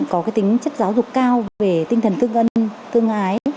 có tính chất giáo dục cao về tinh thần thương ân thương ái